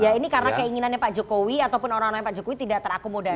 ya ini karena keinginannya pak jokowi ataupun orang orangnya pak jokowi tidak terakomodasi